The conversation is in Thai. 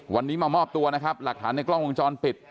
วันนี้มามอบตัวนะครับหลักฐานในกล้องวงจรปิด